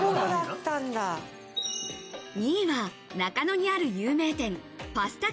２位は中野にある有名店パスタ